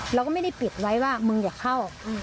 เราก็ไม่ได้ปิดไว้ว่ามึงอย่าเข้า